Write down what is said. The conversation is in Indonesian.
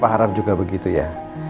papa harap juga begitu ya